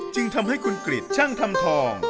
จึงทำให้คุณกฤทธิ์ช่างธรรมทอง